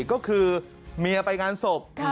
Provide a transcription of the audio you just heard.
ก็คือเมียไปงานศพ